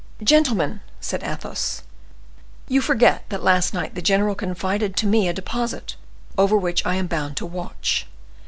"Gentlemen," said Athos, "you forget that last night the general confided to me a deposit over which I am bound to watch.